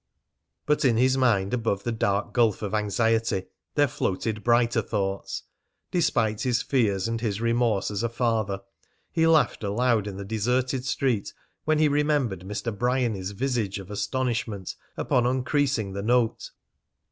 But in his mind, above the dark gulf of anxiety, there floated brighter thoughts. Despite his fears and his remorse as a father, he laughed aloud in the deserted street when he remembered Mr. Bryany's visage of astonishment upon uncreasing the note.